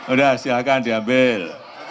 udah silahkan diambil